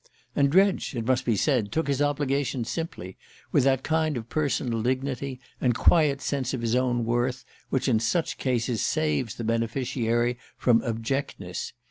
And Dredge, it must be said, took his obligations simply, with that kind of personal dignity, and quiet sense of his own worth, which in such cases saves the beneficiary from abjectness.